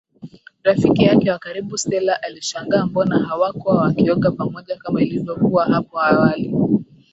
Rafiki yake wa karibu Stella alishangaa mbona hawakuwa wakioga pamoja kama ilivyokuwa hapo awali